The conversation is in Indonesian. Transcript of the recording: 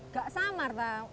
gak samar tau